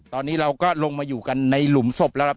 ตอนนี้เราก็ลงมาอยู่กันในหลุมศพแล้วครับ